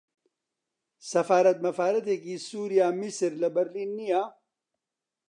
سەفارەت مەفارەتێکی سووریا، میسر لە برلین نییە